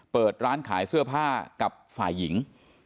เปิดร้านขายเสื้อผ้ากับฝ่ายหญิง